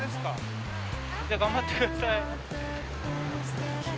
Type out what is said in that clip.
じゃ頑張ってください。